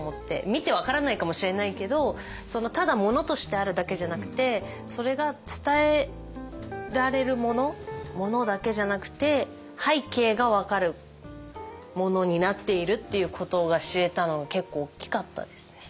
見て分からないかもしれないけどただ物としてあるだけじゃなくてそれが伝えられるもの物だけじゃなくて背景が分かるものになっているっていうことが知れたのは結構大きかったですね。